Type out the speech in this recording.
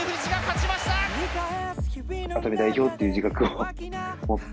熱海代表という自覚を持って。